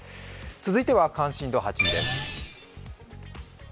続いては関心度８位です。